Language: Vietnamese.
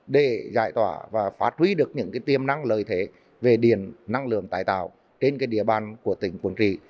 để giải tỏa và phát huy được những tiềm năng lợi thế về điện năng lượng tái tạo trên địa bàn của tỉnh quảng trị